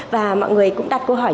và mọi người cũng đặt câu hỏi